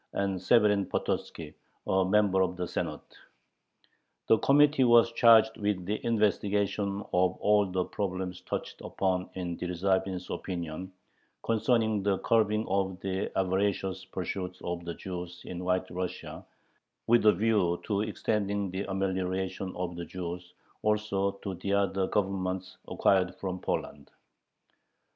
and Severin Pototzki, a member of the Senate. The Committee was charged with the investigation of all the problems touched upon in Dyerzhavin's "Opinion," concerning the curbing of the avaricious pursuits of the Jews in White Russia, with a view to "extending the amelioration of the Jews also to the other Governments acquired from Poland."